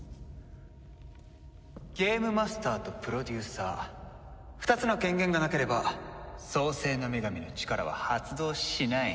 ゲームマスターとプロデューサー２つの権限がなければ創世の女神の力は発動しない。